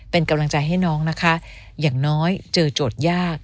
เป็นกำลังใจให้น้องนะคะอย่างน้อยเจอโจทย์ยาก